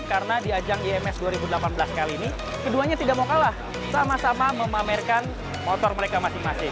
karena di ajang ims dua ribu delapan belas kali ini keduanya tidak mau kalah sama sama memamerkan motor mereka masing masing